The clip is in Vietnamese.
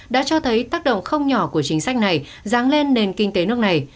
đã cho thấy tác động không nhỏ của chính sách này ráng lên nền kinh tế nước này